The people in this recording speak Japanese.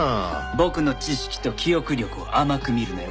僕の知識と記憶力を甘く見るなよ